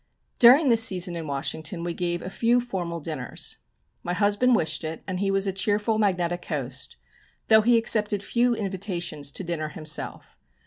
During this season in Washington we gave a few formal dinners. My husband wished it, and he was a cheerful, magnetic host, though he accepted few invitations to dinner himself.